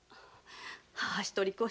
母一人子